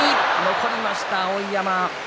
残りました、碧山。